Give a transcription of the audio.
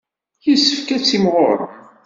Yessefk ad timɣurem.